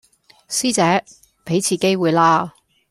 師姐,畀次機會啦